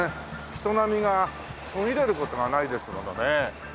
人波が途切れる事がないですものね。